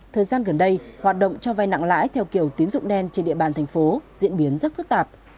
thời gian gần đây hoạt động cho vai nặng lãi theo kiểu tín dụng đen trên địa bàn thành phố diễn biến rất phức tạp